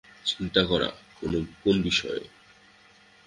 চিন্তা করা, কোন বিষয়ে?